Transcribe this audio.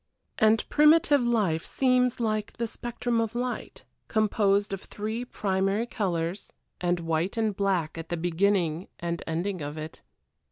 And primitive life seems like the spectrum of light composed of three primary colors, and white and black at the beginning and ending of it.